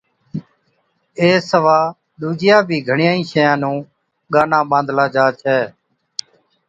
اي سِوا ڏُوجِيا بِي گھڻيان شيان نُون ڳانا ٻانڌلا جا ڇَي